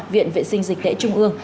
viện vệ sinh dịch tễ trung ương